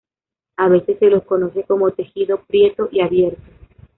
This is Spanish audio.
A veces se los conoce como tejido "prieto" y "abierto".